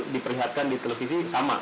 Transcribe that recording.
di perlihatkan di televisi sama